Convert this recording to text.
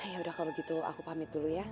yaudah kalau gitu aku pamit dulu ya